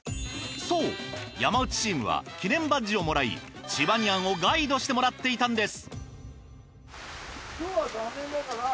そう山内チームは記念バッジをもらいチバニアンをガイドしてもらっていたんです。